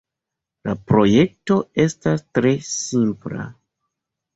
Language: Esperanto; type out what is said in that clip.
La projekto estas tre simpla.